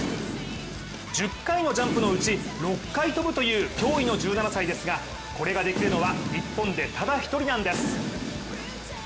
１０回のジャンプのうち、６回跳ぶという驚異の１７歳ですがこれができるのは日本でただ１人なんです。